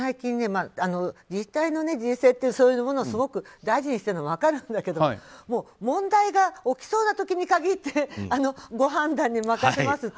自治体の自主性というのを大事にしているのは分かるんだけど問題が起きそうな時に限ってご判断に任せますって。